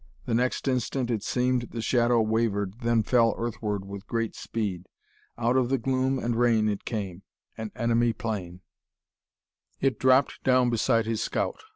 The next instant, it seemed, the shadow wavered, then fell earthward with great speed. Out of the gloom and rain it came an enemy plane. It dropped down beside his scout.